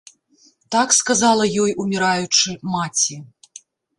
Так сказала ёй, уміраючы, маці.